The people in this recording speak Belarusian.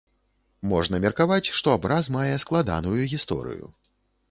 Можна меркаваць, што абраз мае складаную гісторыю.